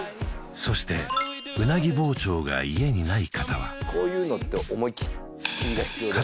そしてうなぎ包丁が家にない方はこういうのって思いきりが必要ですよね